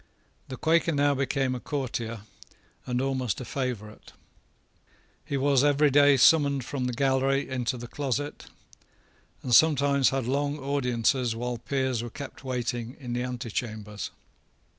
The Quaker now became a courtier, and almost a favourite. He was every day summoned from the gallery into the closet, and sometimes had long audiences while peers were kept waiting in the antechambers.